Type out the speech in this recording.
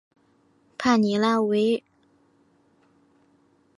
帕尼拉维勒人口变化图示